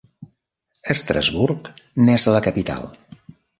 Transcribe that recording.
Estrasburg n'és la capital.